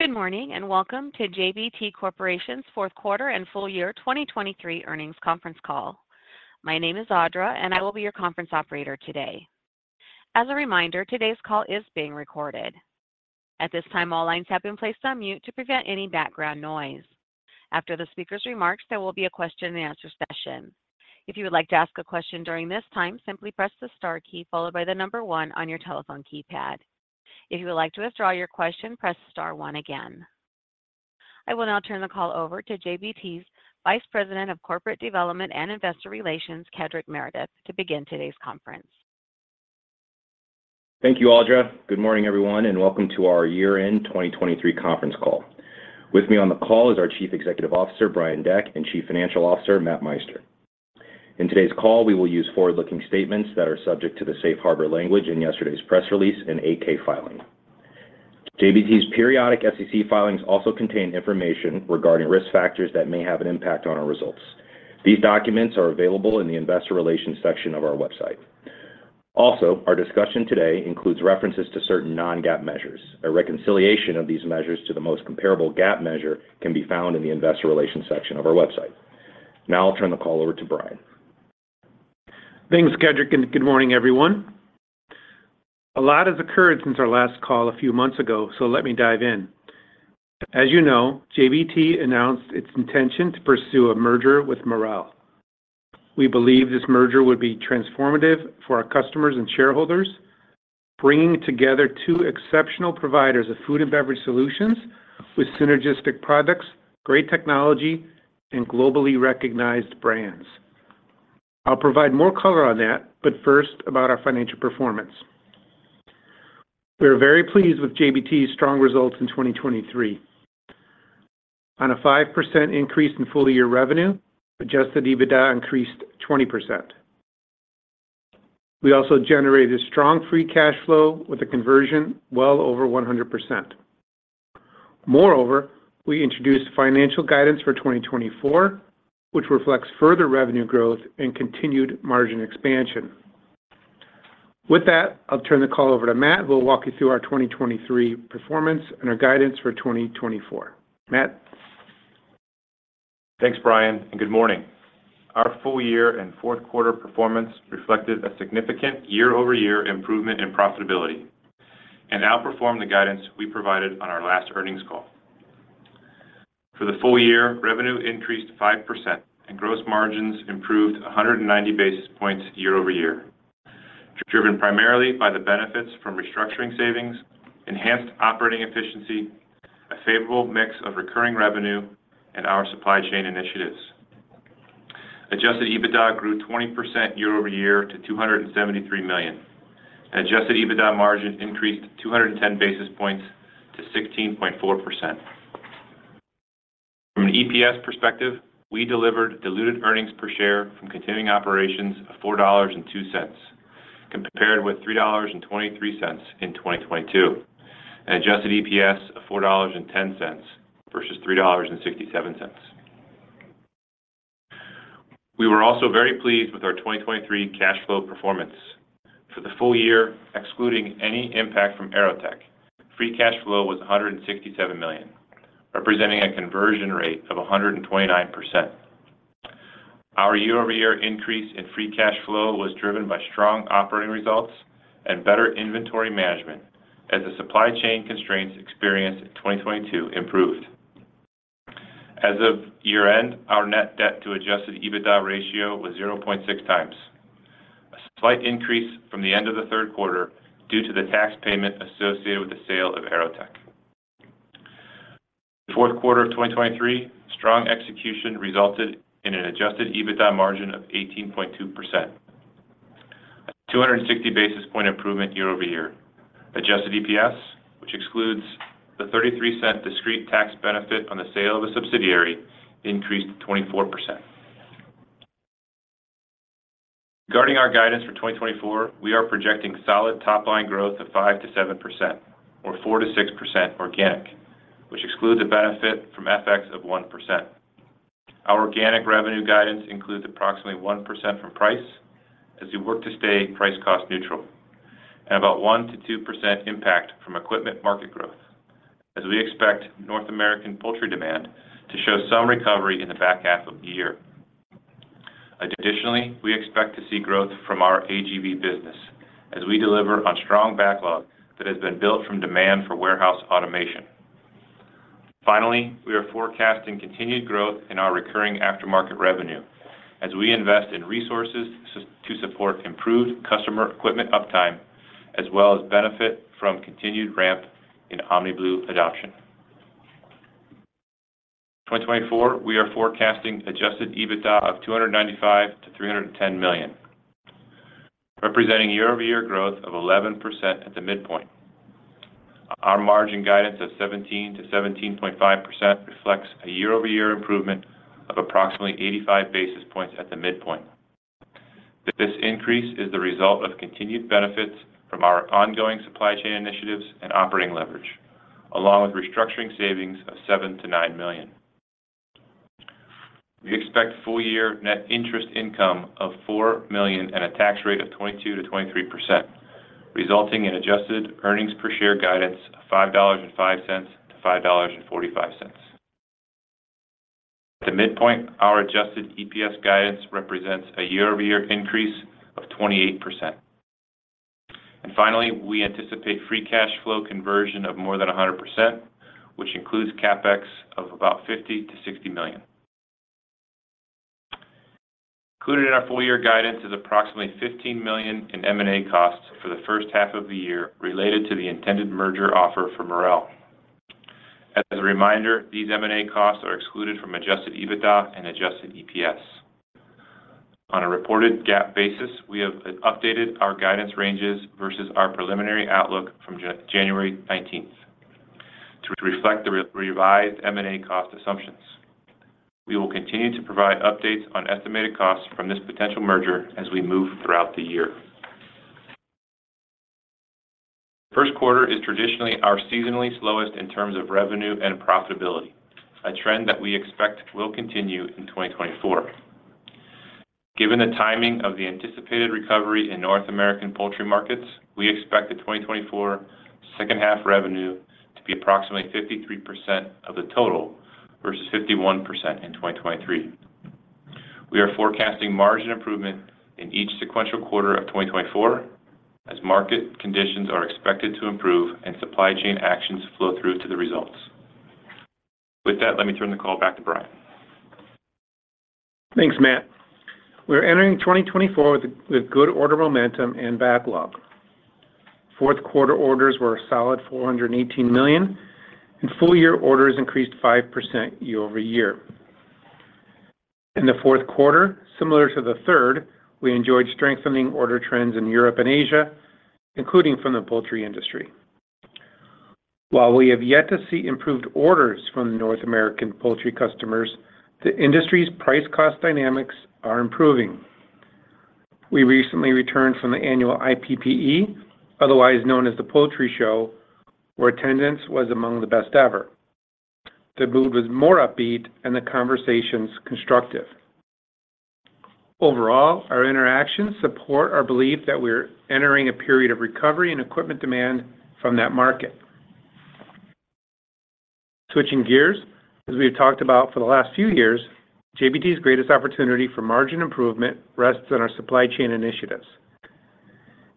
Good morning and welcome to JBT Corporation's Q4 and full year 2023 earnings conference call. My name is Audra, and I will be your conference operator today. As a reminder, today's call is being recorded. At this time, all lines have been placed on mute to prevent any background noise. After the speaker's remarks, there will be a question-and-answer session. If you would like to ask a question during this time, simply press the star key followed by the number one on your telephone keypad. If you would like to withdraw your question, press star one again. I will now turn the call over to JBT's Vice President of Corporate Development and Investor Relations, Kedric Meredith, to begin today's conference. Thank you, Audra. Good morning, everyone, and welcome to our year-end 2023 conference call. With me on the call is our Chief Executive Officer, Brian Deck, and Chief Financial Officer, Matt Meister. In today's call, we will use forward-looking statements that are subject to the safe harbor language in yesterday's press release and 8-K filing. JBT's periodic SEC filings also contain information regarding risk factors that may have an impact on our results. These documents are available in the Investor Relations section of our website. Also, our discussion today includes references to certain non-GAAP measures. A reconciliation of these measures to the most comparable GAAP measure can be found in the Investor Relations section of our website. Now I'll turn the call over to Brian. Thanks, Kedric, and good morning, everyone. A lot has occurred since our last call a few months ago, so let me dive in. As you know, JBT announced its intention to pursue a merger with Marel. We believe this merger would be transformative for our customers and shareholders, bringing together two exceptional providers of food and beverage solutions with synergistic products, great technology, and globally recognized brands. I'll provide more color on that, but first about our financial performance. We are very pleased with JBT's strong results in 2023. On a 5% increase in full year revenue, adjusted EBITDA increased 20%. We also generated strong free cash flow with a conversion well over 100%. Moreover, we introduced financial guidance for 2024, which reflects further revenue growth and continued margin expansion. With that, I'll turn the call over to Matt, who will walk you through our 2023 performance and our guidance for 2024. Matt. Thanks, Brian, and good morning. Our full-year and Q4 performance reflected a significant year-over-year improvement in profitability, and outperformed the guidance we provided on our last earnings call. For the full year, revenue increased 5% and gross margins improved 190 basis points year-over-year, driven primarily by the benefits from restructuring savings, enhanced operating efficiency, a favorable mix of recurring revenue, and our supply chain initiatives. Adjusted EBITDA grew 20% year over year to $273 million, and adjusted EBITDA margin increased 210 basis points to 16.4%. From an EPS perspective, we delivered diluted earnings per share from continuing operations of $4.02 compared with $3.23 in 2022, an adjusted EPS of $4.10 versus $3.67. We were also very pleased with our 2023 cash flow performance. For the full year, excluding any impact from AeroTech, free cash flow was $167 million, representing a conversion rate of 129%. Our year-over-year increase in free cash flow was driven by strong operating results and better inventory management as the supply chain constraints experienced in 2022 improved. As of year-end, our net debt to adjusted EBITDA ratio was 0.6 times, a slight increase from the end of the Q3 due to the tax payment associated with the sale of AeroTech. The Q4 of 2023, strong execution resulted in an adjusted EBITDA margin of 18.2%, a 260 basis point improvement year over year. Adjusted EPS, which excludes the $0.33 discrete tax benefit on the sale of a subsidiary, increased 24%. Regarding our guidance for 2024, we are projecting solid top-line growth of 5%-7%, or 4%-6% organic, which excludes a benefit from FX of 1%. Our organic revenue guidance includes approximately 1% from price as we work to stay price-cost neutral, and about 1%-2% impact from equipment market growth as we expect North American poultry demand to show some recovery in the back half of the year. Additionally, we expect to see growth from our AGV business as we deliver on strong backlog that has been built from demand for warehouse automation. Finally, we are forecasting continued growth in our recurring aftermarket revenue as we invest in resources to support improved customer equipment uptime as well as benefit from continued ramp in OmniBlue adoption. 2024, we are forecasting adjusted EBITDA of $295 million-$310 million, representing year-over-year growth of 11% at the midpoint. Our margin guidance of 17%-17.5% reflects a year-over-year improvement of approximately 85 basis points at the midpoint. This increase is the result of continued benefits from our ongoing supply chain initiatives and operating leverage, along with restructuring savings of $7-$9 million. We expect full year net interest income of $4 million and a tax rate of 22%-23%, resulting in adjusted earnings per share guidance of $5.05-$5.45. At the midpoint, our adjusted EPS guidance represents a year-over-year increase of 28%. And finally, we anticipate free cash flow conversion of more than 100%, which includes CapEx of about $50-$60 million. Included in our full year guidance is approximately $15 million in M&A costs for the first half of the year related to the intended merger offer for Marel. As a reminder, these M&A costs are excluded from adjusted EBITDA and adjusted EPS. On a reported GAAP basis, we have updated our guidance ranges versus our preliminary outlook from January 19th to reflect the revised M&A cost assumptions. We will continue to provide updates on estimated costs from this potential merger as we move throughout the year. The Q1 is traditionally our seasonally slowest in terms of revenue and profitability, a trend that we expect will continue in 2024. Given the timing of the anticipated recovery in North American poultry markets, we expect the 2024 second half revenue to be approximately 53% of the total versus 51% in 2023. We are forecasting margin improvement in each sequential quarter of 2024 as market conditions are expected to improve and supply chain actions flow through to the results. With that, let me turn the call back to Brian. Thanks, Matt. We're entering 2024 with good order momentum and backlog. Q4 orders were solid $418 million, and full year orders increased 5% year-over-year. In the Q4, similar to the third, we enjoyed strengthening order trends in Europe and Asia, including from the poultry industry. While we have yet to see improved orders from North American poultry customers, the industry's price-cost dynamics are improving. We recently returned from the annual IPPE, otherwise known as the Poultry Show, where attendance was among the best ever. The mood was more upbeat, and the conversations constructive. Overall, our interactions support our belief that we're entering a period of recovery in equipment demand from that market. Switching gears, as we have talked about for the last few years, JBT's greatest opportunity for margin improvement rests in our supply chain initiatives.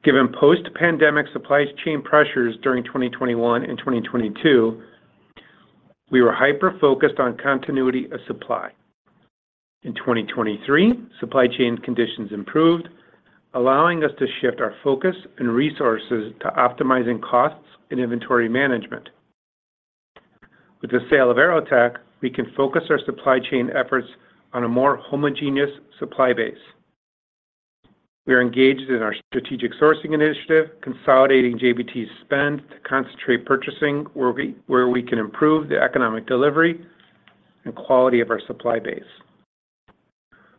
Given post-pandemic supply chain pressures during 2021 and 2022, we were hyper-focused on continuity of supply. In 2023, supply chain conditions improved, allowing us to shift our focus and resources to optimizing costs and inventory management. With the sale of AeroTech, we can focus our supply chain efforts on a more homogeneous supply base. We are engaged in our strategic sourcing initiative, consolidating JBT's spend to concentrate purchasing where we can improve the economic delivery and quality of our supply base.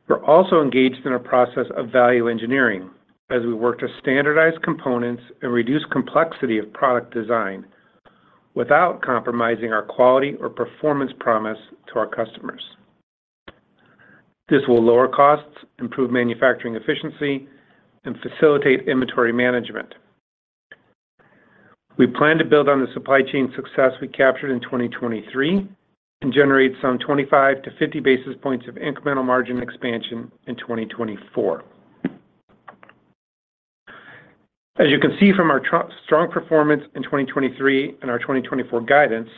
We're also engaged in our process of value engineering as we work to standardize components and reduce complexity of product design without compromising our quality or performance promise to our customers. This will lower costs, improve manufacturing efficiency, and facilitate inventory management. We plan to build on the supply chain success we captured in 2023 and generate some 25-50 basis points of incremental margin expansion in 2024. As you can see from our strong performance in 2023 and our 2024 guidance,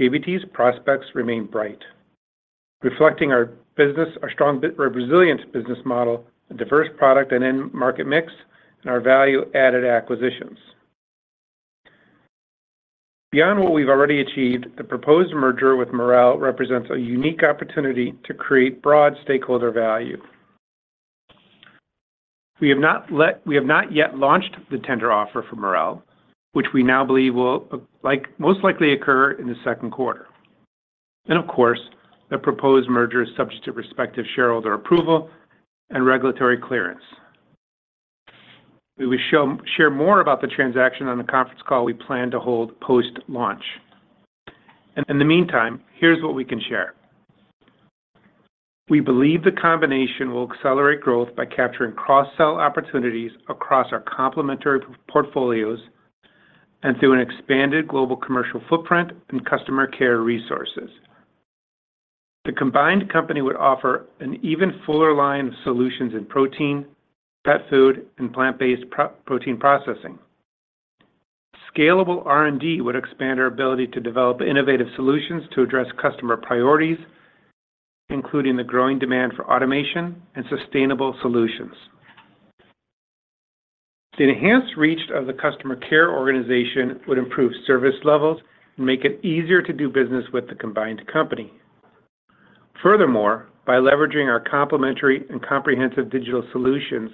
JBT's prospects remain bright, reflecting our strong resilient business model, diverse product and end-market mix, and our value-added acquisitions. Beyond what we've already achieved, the proposed merger with Marel represents a unique opportunity to create broad stakeholder value. We have not yet launched the tender offer for Marel, which we now believe will most likely occur in the Q2. Of course, the proposed merger is subject to respective shareholder approval and regulatory clearance. We will share more about the transaction on the conference call we plan to hold post-launch. In the meantime, here's what we can share. We believe the combination will accelerate growth by capturing cross-sell opportunities across our complementary portfolios and through an expanded global commercial footprint and customer care resources. The combined company would offer an even fuller line of solutions in protein, pet food, and plant-based protein processing. Scalable R&D would expand our ability to develop innovative solutions to address customer priorities, including the growing demand for automation and sustainable solutions. The enhanced reach of the customer care organization would improve service levels and make it easier to do business with the combined company. Furthermore, by leveraging our complementary and comprehensive digital solutions,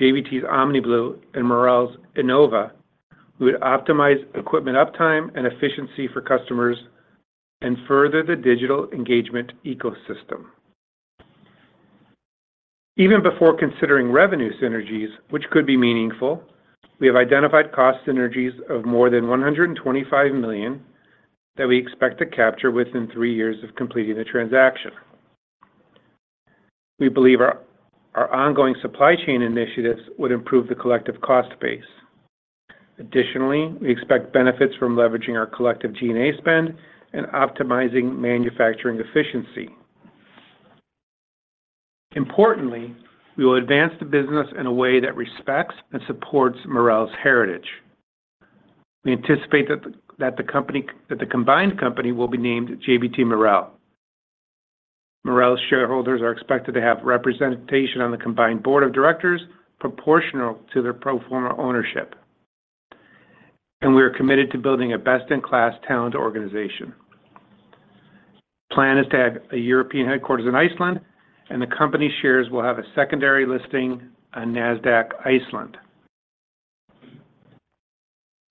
JBT's OmniBlue and Marel's Innova, we would optimize equipment uptime and efficiency for customers and further the digital engagement ecosystem. Even before considering revenue synergies, which could be meaningful, we have identified cost synergies of more than $125 million that we expect to capture within three years of completing the transaction. We believe our ongoing supply chain initiatives would improve the collective cost base. Additionally, we expect benefits from leveraging our collective G&A spend and optimizing manufacturing efficiency. Importantly, we will advance the business in a way that respects and supports Marel's heritage. We anticipate that the combined company will be named JBT Marel. Marel's shareholders are expected to have representation on the combined board of directors proportional to their pro forma ownership. We are committed to building a best-in-class talent organization. The plan is to have a European headquarters in Iceland, and the company shares will have a secondary listing on Nasdaq Iceland.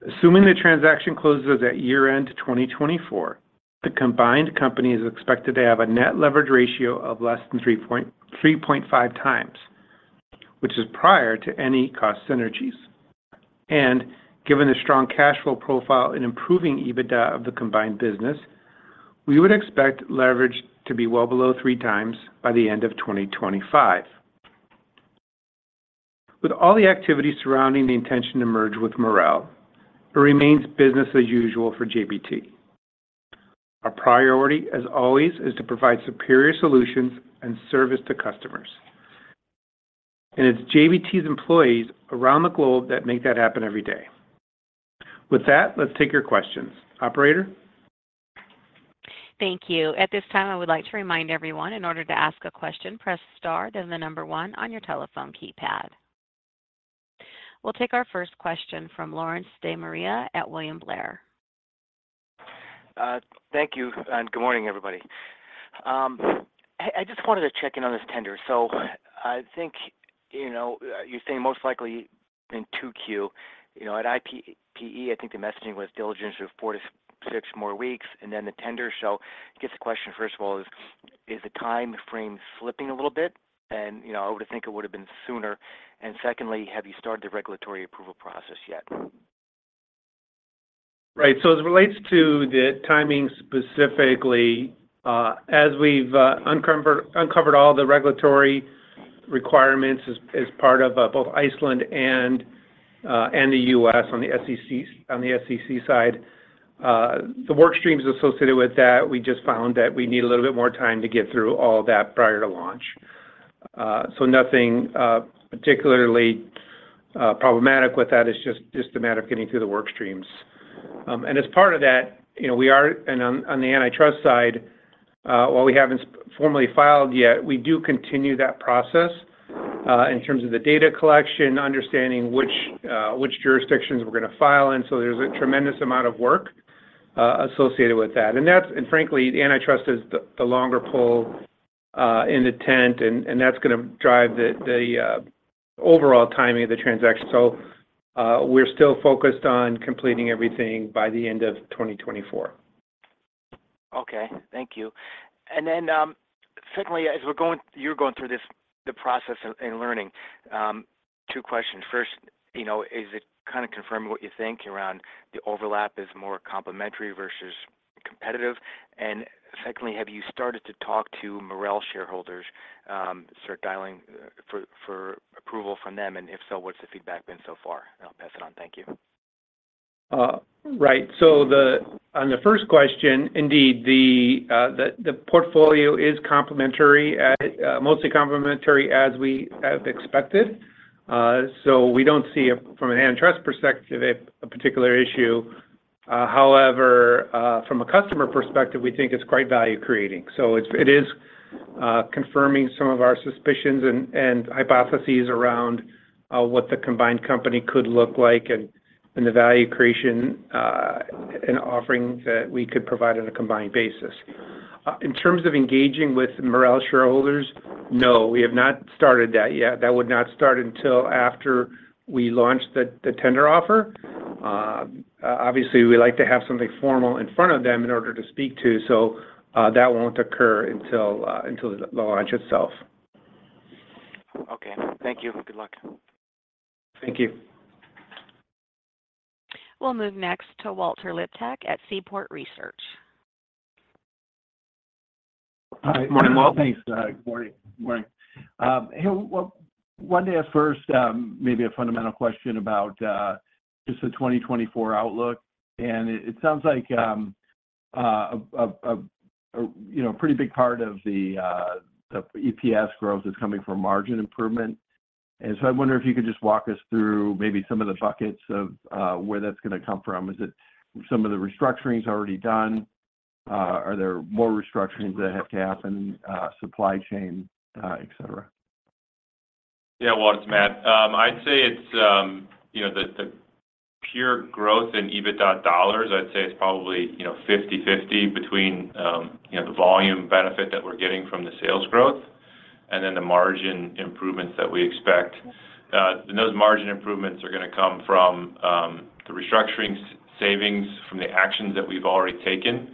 Assuming the transaction closes at year-end 2024, the combined company is expected to have a net leverage ratio of less than 3.5 times, which is prior to any cost synergies. Given the strong cash flow profile and improving EBITDA of the combined business, we would expect leverage to be well below three times by the end of 2025. With all the activity surrounding the intention to merge with Marel, it remains business as usual for JBT. Our priority, as always, is to provide superior solutions and service to customers. It's JBT's employees around the globe that make that happen every day. With that, let's take your questions. Operator? Thank you. At this time, I would like to remind everyone, in order to ask a question, press star then the number one on your telephone keypad. We'll take our first question from Lawrence De Maria at William Blair. Thank you. Good morning, everybody. I just wanted to check in on this tender. So I think you're saying most likely in 2Q. At IPPE, I think the messaging was diligence for four to six more weeks and then the tender. So I guess the question, first of all, is the timeframe slipping a little bit? And I would have think it would have been sooner. And secondly, have you started the regulatory approval process yet? Right. So as it relates to the timing specifically, as we've uncovered all the regulatory requirements as part of both Iceland and the US on the SEC side, the workstreams associated with that, we just found that we need a little bit more time to get through all of that prior to launch. So nothing particularly problematic with that. It's just a matter of getting through the workstreams. And as part of that, we are on the antitrust side, while we haven't formally filed yet, we do continue that process in terms of the data collection, understanding which jurisdictions we're going to file in. So there's a tremendous amount of work associated with that. Frankly, antitrust is the longer pull in the tent, and that's going to drive the overall timing of the transaction. So we're still focused on completing everything by the end of 2024. Okay. Thank you. Secondly, as you're going through the process and learning, two questions. First, is it kind of confirming what you think around the overlap is more complementary versus competitive? And secondly, have you started to talk to Marel shareholders, start dialing for approval from them? And if so, what's the feedback been so far? And I'll pass it on. Thank you. Right. So on the first question, indeed, the portfolio is mostly complementary as we have expected. So we don't see, from an antitrust perspective, a particular issue. However, from a customer perspective, we think it's quite value-creating. It is confirming some of our suspicions and hypotheses around what the combined company could look like and the value creation and offering that we could provide on a combined basis. In terms of engaging with Marel shareholders, no, we have not started that yet. That would not start until after we launch the tender offer. Obviously, we like to have something formal in front of them in order to speak to. That won't occur until the launch itself. Okay. Thank you. Good luck. Thank you. We'll move next to Walter Liptak at Seaport Research. Hi. Morning, Walt. Thanks. Good morning. Good morning. Well, one day at first, maybe a fundamental question about just the 2024 outlook. And it sounds like a pretty big part of the EPS growth is coming from margin improvement. And so I wonder if you could just walk us through maybe some of the buckets of where that's going to come from. Is it some of the restructuring's already done? Are there more restructurings that have to happen in supply chain, etc.? Yeah, Walt. It's Matt. I'd say it's the pure growth in EBITDA dollars, I'd say it's probably 50/50 between the volume benefit that we're getting from the sales growth and then the margin improvements that we expect. And those margin improvements are going to come from the restructuring savings from the actions that we've already taken.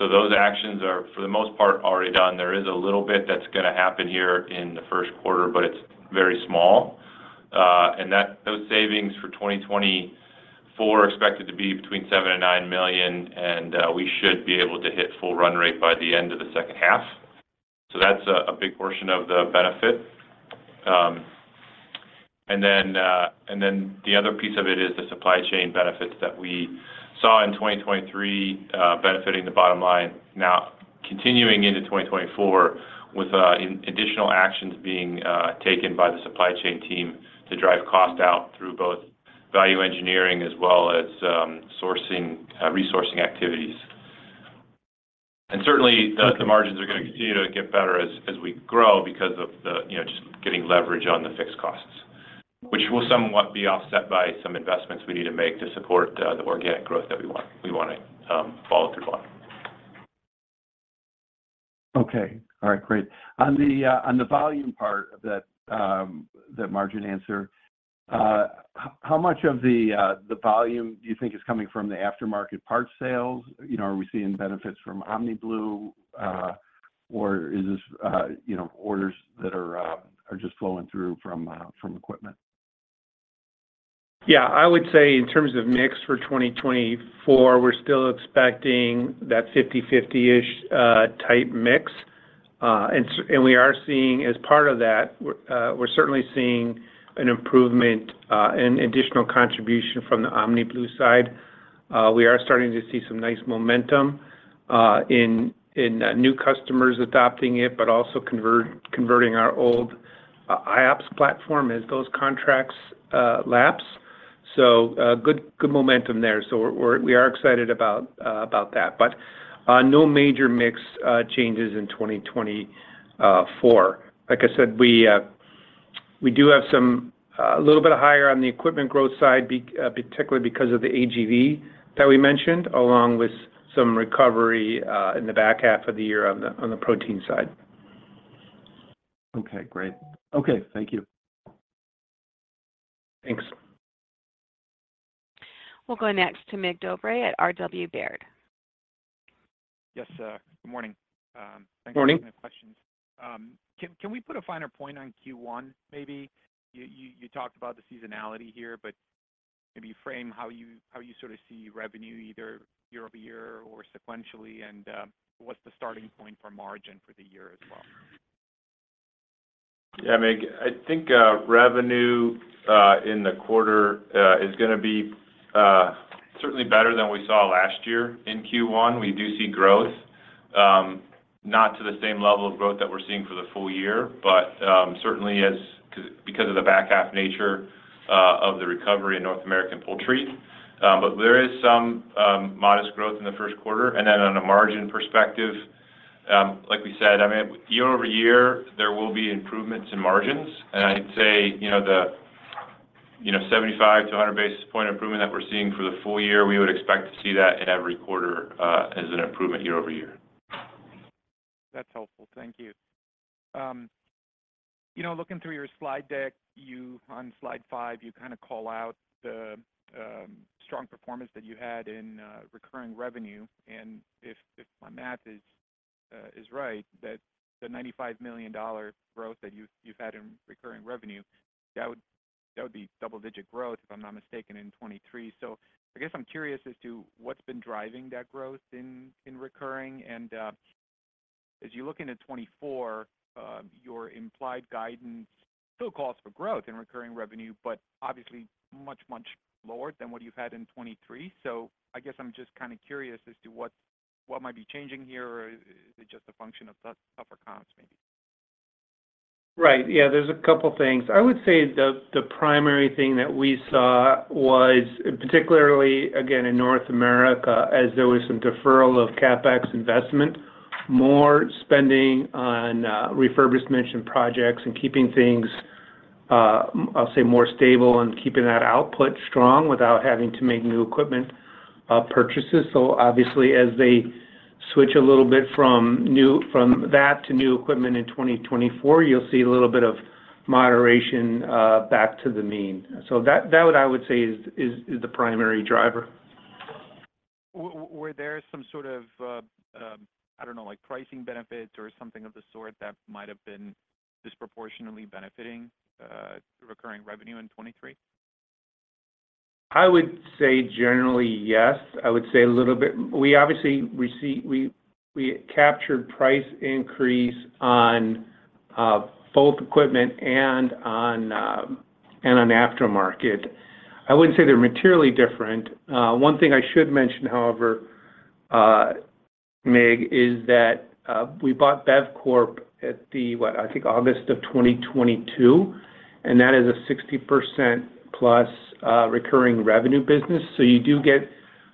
Those actions are, for the most part, already done. There is a little bit that's going to happen here in the Q1, but it's very small. And those savings for 2024 are expected to be between $7 million-$9 million, and we should be able to hit full run rate by the end of the second half. So that's a big portion of the benefit. And then the other piece of it is the supply chain benefits that we saw in 2023 benefiting the bottom line, now continuing into 2024 with additional actions being taken by the supply chain team to drive cost out through both value engineering as well as resourcing activities. And certainly, the margins are going to continue to get better as we grow because of just getting leverage on the fixed costs, which will somewhat be offset by some investments we need to make to support the organic growth that we want to follow through on. Okay. All right. Great. On the volume part of that margin answer, how much of the volume do you think is coming from the aftermarket parts sales? Are we seeing benefits from OmniBlue, or is this orders that are just flowing through from equipment? Yeah. I would say in terms of mix for 2024, we're still expecting that 50/50-ish type mix. And we are seeing as part of that, we're certainly seeing an improvement and additional contribution from the OmniBlue side. We are starting to see some nice momentum in new customers adopting it, but also converting our old iOPS platform as those contracts lapse. So good momentum there. So we are excited about that. But no major mix changes in 2024. Like I said, we do have a little bit higher on the equipment growth side, particularly because of the AGV that we mentioned, along with some recovery in the back half of the year on the protein side. Okay. Great. Okay. Thank you. Thanks. We'll go next to Mig Dobre at R.W. Baird. Yes. Good morning. Thanks for sending the questions. Can we put a finer point on Q1, maybe? You talked about the seasonality here, but maybe frame how you sort of see revenue either year over year or sequentially, and what's the starting point for margin for the year as well? Yeah. I mean, I think revenue in the quarter is going to be certainly better than we saw last year in Q1. We do see growth, not to the same level of growth that we're seeing for the full year, but certainly because of the back half nature of the recovery in North American poultry. But there is some modest growth in the Q1. And then on a margin perspective, like we said, I mean, year-over-year, there will be improvements in margins. And I'd say the 75-100 basis point improvement that we're seeing for the full year, we would expect to see that in every quarter as an improvement year-over-year. That's helpful. Thank you. Looking through your slide deck, on slide five, you kind of call out the strong performance that you had in recurring revenue. And if my math is right, the $95 million growth that you've had in recurring revenue, that would be double-digit growth, if I'm not mistaken, in 2023. I guess I'm curious as to what's been driving that growth in recurring. And as you look into 2024, your implied guidance still calls for growth in recurring revenue, but obviously much, much lower than what you've had in 2023. I guess I'm just kind of curious as to what might be changing here, or is it just a function of tougher comps, maybe? Right. Yeah. There's a couple of things. I would say the primary thing that we saw was, particularly, again, in North America, as there was some deferral of CapEx investment, more spending on refurbishment and projects and keeping things, I'll say, more stable and keeping that output strong without having to make new equipment purchases. So obviously, as they switch a little bit from that to new equipment in 2024, you'll see a little bit of moderation back to the mean. That, I would say, is the primary driver. Were there some sort of, I don't know, pricing benefits or something of the sort that might have been disproportionately benefiting recurring revenue in 2023? I would say generally, yes. I would say a little bit we obviously captured price increase on both equipment and on aftermarket. I wouldn't say they're materially different. One thing I should mention, however, Mig, is that we bought Bevcorp at the, what, I think, August of 2022. And that is a 60% plus recurring revenue business. you do get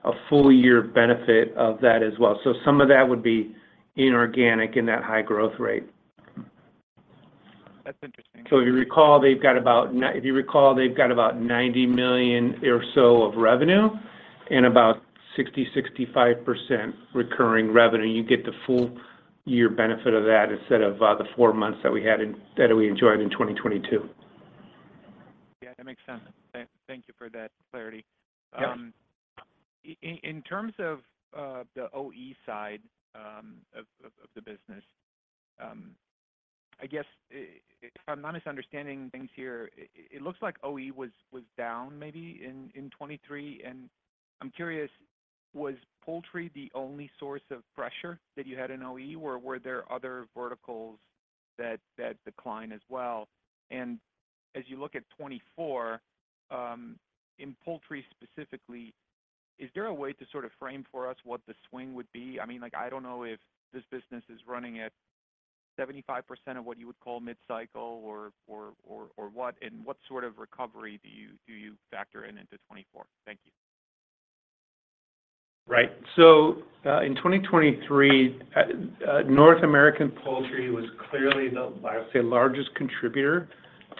a full-year benefit of that as well. So some of that would be inorganic in that high growth rate. That's interesting. So if you recall, they've got about $90 million or so of revenue and about 60%-65% recurring revenue. You get the full-year benefit of that instead of the four months that we enjoyed in 2022. Yeah. That makes sense. Thank you for that clarity. In terms of the OE side of the business, I guess if I'm not misunderstanding things here, it looks like OE was down maybe in 2023. And I'm curious, was poultry the only source of pressure that you had in OE, or were there other verticals that decline as well? As you look at 2024, in poultry specifically, is there a way to sort of frame for us what the swing would be? I mean, I don't know if this business is running at 75% of what you would call mid-cycle or what. What sort of recovery do you factor in into 2024? Thank you. Right. In 2023, North American poultry was clearly the, I would say, largest contributor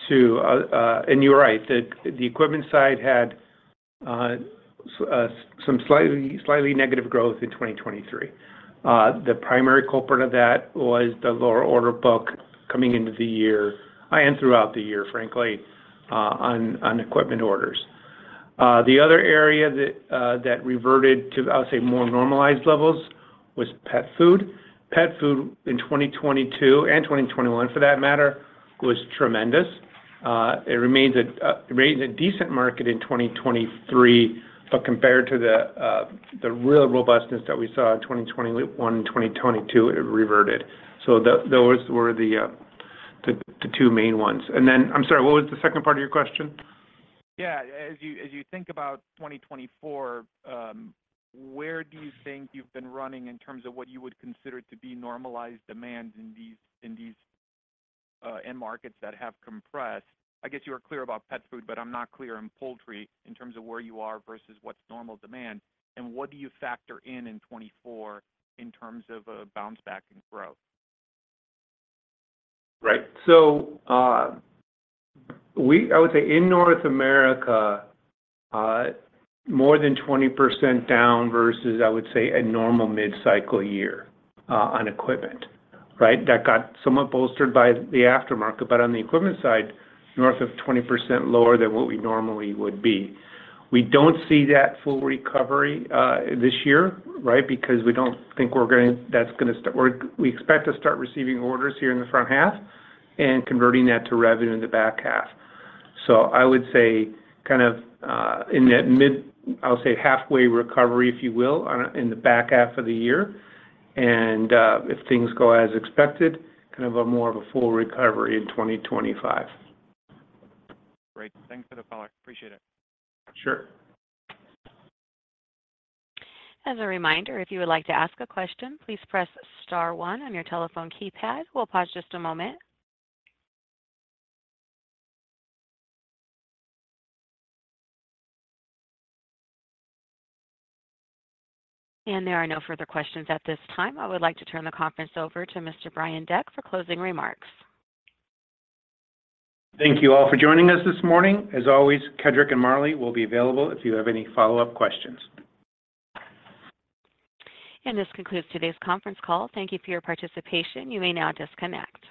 to and you're right. The equipment side had some slightly negative growth in 2023. The primary culprit of that was the lower order book coming into the year and throughout the year, frankly, on equipment orders. The other area that reverted to, I would say, more normalized levels was pet food. Pet food in 2022 and 2021, for that matter, was tremendous. It remains a decent market in 2023, but compared to the real robustness that we saw in 2021 and 2022, it reverted. So those were the two main ones. I'm sorry, what was the second part of your question? Yeah. As you think about 2024, where do you think you've been running in terms of what you would consider to be normalized demand in these end markets that have compressed? I guess you were clear about pet food, but I'm not clear in poultry in terms of where you are versus what's normal demand. What do you factor in in 2024 in terms of bounce-back and growth? Right. I would say in North America, more than 20% down versus, I would say, a normal mid-cycle year on equipment, right, that got somewhat bolstered by the aftermarket. But on the equipment side, north of 20% lower than what we normally would be. We don't see that full recovery this year, right, because we don't think we're going to. We expect to start receiving orders here in the front half and converting that to revenue in the back half. So I would say kind of in that mid, I'll say, halfway recovery, if you will, in the back half of the year. And if things go as expected, kind of more of a full recovery in 2025. Great. Thanks for the call. I appreciate it. Sure. As a reminder, if you would like to ask a question, please press star one on your telephone keypad. We'll pause just a moment. There are no further questions at this time. I would like to turn the conference over to Mr. Brian Deck for closing remarks. Thank you all for joining us this morning. As always, Kedric and Marlee will be available if you have any follow-up questions. This concludes today's conference call. Thank you for your participation. You may now disconnect.